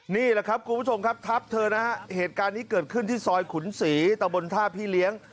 นี่แหละครับคุณผู้ชมครับทับเธอนะฮะเหตุการณ์นี้เกิดขึ้นที่ซอยขุนศรีตะบนท่าพี่เลี้ยง